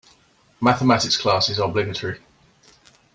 Mathematics class is obligatory.